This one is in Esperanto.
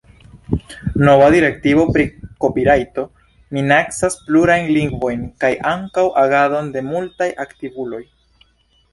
Nova direktivo pri kopirajto minacas plurajn lingvojn kaj ankaŭ agadon de multaj aktivuloj.